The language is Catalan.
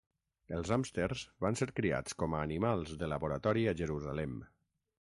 Els hàmsters van ser criats com a animals de laboratori a Jerusalem.